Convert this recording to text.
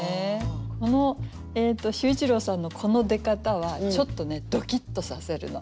この秀一郎さんのこの出方はちょっとねドキッとさせるの。